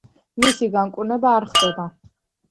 მისი განკურნება არ ხდება.